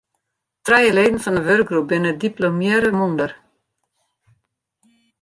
Trije leden fan de wurkgroep binne diplomearre mûnder.